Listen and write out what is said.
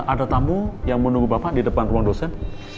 ada tamu yang menunggu bapak di depan ruang dosen